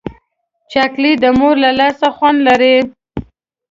چاکلېټ د مور له لاسه خوند لري.